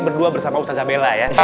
berdua bersama ustadzabella ya